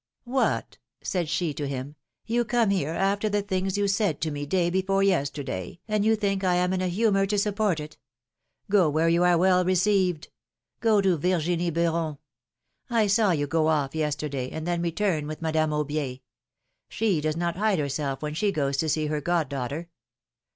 " What !" said she to him, "you come here, after the things you said to me day before yesterday, and you think I am in a humor to support it? Go where you are well received ! Go to Virginie Beuron ! I saw you go off yesterday, and then return with Madame Aubier; she does not hide herself when she goes to see her goddaughter!